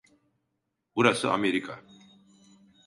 Burası Amerika.